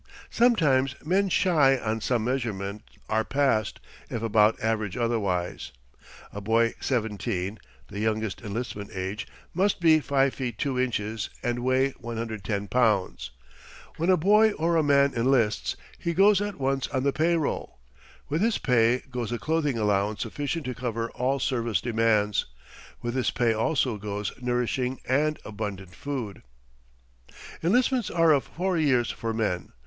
Sometimes men shy on some measurement are passed if above average otherwise. A boy seventeen (the youngest enlistment age) must be 5 feet 2 inches and weigh 110 pounds. When a boy or a man enlists he goes at once on the payroll. With his pay goes a clothing allowance sufficient to cover all service demands; with his pay also goes nourishing and abundant food. Enlistments are of four years for men.